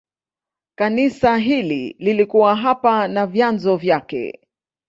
Kanisa hili lilikuwa hapa na vyanzo vyake.